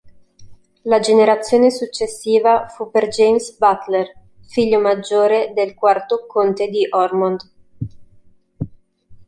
La generazione successiva fu per James Butler, figlio maggiore del quarto conte di Ormond.